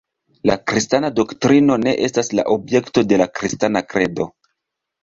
La kristana doktrino ne estas la objekto de la kristana kredo.